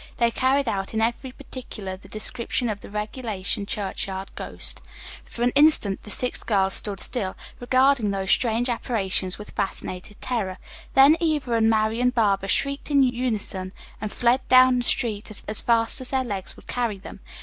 They carried out in every particular the description of the regulation churchyard ghost. For an instant the six girls stood still, regarding those strange apparitions with fascinated terror. Then Eva Allen and Marian Barber shrieked in unison and fled down the street as fast as their legs would carry them.